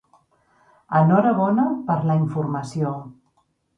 Enhorabona per la informació.